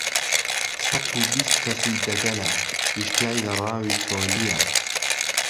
سەت و بیست کهسی دهگهله ئیشتیای له ڕاوی چۆلييه